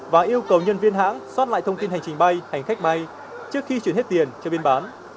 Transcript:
và yêu cầu nhân viên hãng xót lại thông tin hành trình bay hành khách bay trước khi chuyển hết tiền cho biên bán